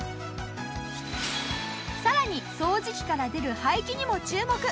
さらに掃除機から出る排気にも注目！